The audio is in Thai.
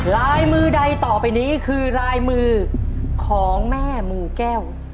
ลายมือใดต่อไปนี้คือลายมือของแม่มือแก้ว